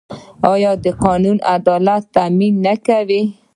آیا دا قانون د عدالت تامین نه کوي؟